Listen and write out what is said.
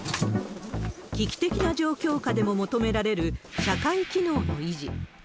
危機的な状況下でも求められる社会機能の維持。